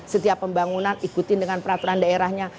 setiap pembangunan ikutin dengan peraturan daerahnya